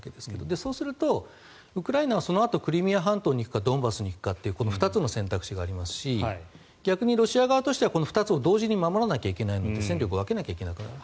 そうするとウクライナはそのあとクリミア半島に行くかドンバスに行くかという２つの選択肢がありますし逆にロシア側としては２つを同時に守らなきゃいけなくなるので戦力を分けなきゃいけなくなる。